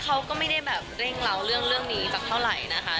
เขาก็ไม่ได้แบบเร่งเราเรื่องนี้สักเท่าไหร่นะคะ